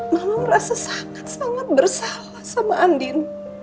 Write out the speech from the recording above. mama merasa sangat sangat bersalah sama andin